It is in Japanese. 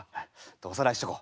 おさらいしとこう。